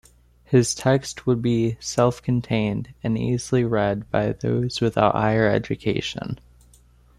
His text would be self-contained and easily read by those without higher education.